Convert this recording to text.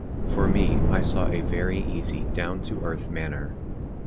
For me, I saw a very easy down-to-earth manner.